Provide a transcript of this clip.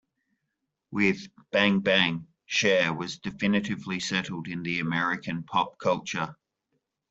With "Bang Bang", Cher was definitively settled in the American pop culture.